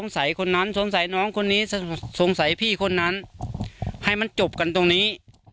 สงสัยพี่คนนั้นให้มันจบกันตรงนี้